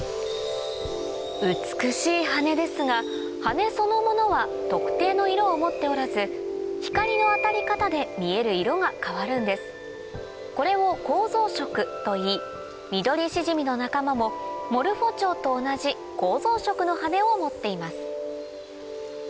美しい羽ですが羽そのものは特定の色を持っておらず光の当たり方で見える色が変わるんですこれを構造色といいミドリシジミの仲間もモルフォチョウと同じ構造色の羽を持っています